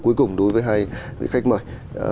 cuối cùng đối với hai khách mời